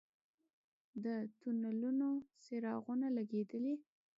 د تونلونو څراغونه لګیدلي؟